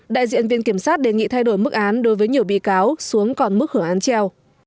đại diện viện kiểm sát đề nghị thay đổi mức án đối với nhiều bị cáo xuống còn mức hưởng án treo